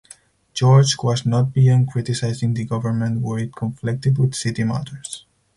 George was not beyond criticizing the government where it conflicted with city matters.